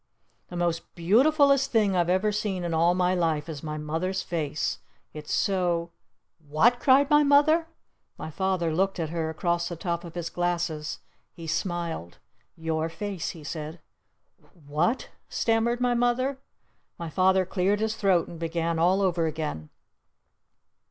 "The most beautifulest thing I've ever seen in all my life is my Mother's face. It's so " "What?" cried my Mother. My Father looked at her across the top of his glasses. He smiled. "Your face!" he said. "W what?" stammered my Mother. My Father cleared his throat and began all over again.